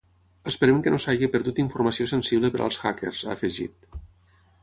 Esperem que no s’hagi perdut informació sensible per als hackers, ha afegit.